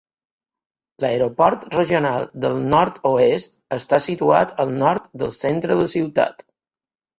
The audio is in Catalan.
L'aeroport regional del nord-oest està situat al nord del centre de la ciutat.